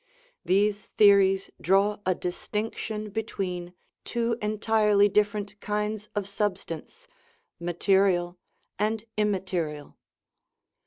These theories draw a distinction between two entirely dif ferent kinds of substance, material and immaterial.